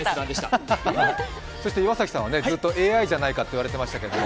そして岩崎さんはずっとＡＩじゃないかといわれていましたけど。